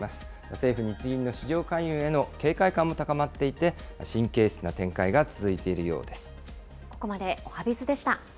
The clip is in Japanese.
政府・日銀の市場介入への警戒感も高まっていて、神経質な展開が続いているようです。